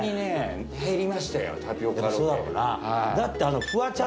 だって。